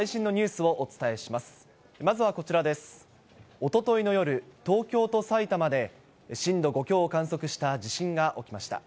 おとといの夜、東京と埼玉で震度５強を観測した地震が起きました。